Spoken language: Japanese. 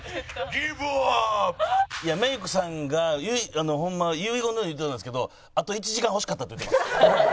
メイクさんがホンマ遺言のように言ってたんですけどあと１時間欲しかったって言ってました。